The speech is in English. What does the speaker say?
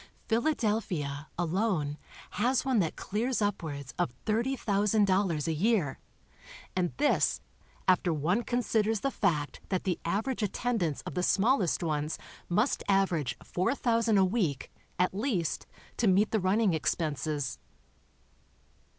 Philadelphia, alone, has one that clears upwards of $30,000 a year, and this, after one considers the fact that the average at tendance of the smallest ones must average 4,000 a week, at least, to meet the running expenses.